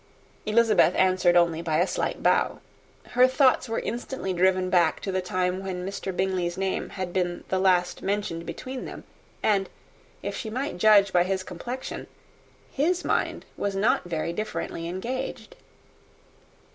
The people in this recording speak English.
Elizabeth answered only by a slight bow. Her thoughts were instantly driven back to the time when Mr. Bingley's name had been last mentioned between them; and if she might judge from his complexion, his mind was not very differently engaged.